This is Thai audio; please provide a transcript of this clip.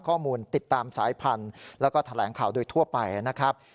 ข้อมูลติดตามสายพันธุ์แล้วก็แถลงข่าวโดยทั่วไปนะครับ